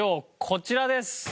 こちらです。